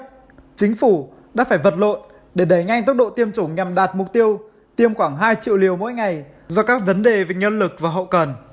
tuy nhiên chính phủ đã phải vật lộn để đẩy nhanh tốc độ tiêm chủng nhằm đạt mục tiêu tiêm khoảng hai triệu liều mỗi ngày do các vấn đề về nhân lực và hậu cần